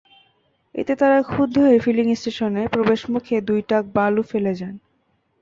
এতে তাঁরা ক্ষুব্ধ হয়ে ফিলিং স্টেশনে প্রবেশমুখে দুই ট্রাক বালু ফেলে যান।